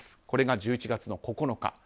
これが１１月９日。